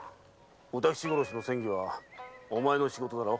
歌吉殺しの詮議はお前の仕事だろ。